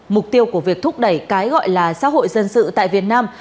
mục tiêu của việc thúc đẩy cái gọi là xã hội dân sự tại việt nam